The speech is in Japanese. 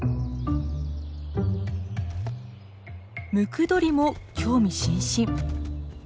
ムクドリも興味津々。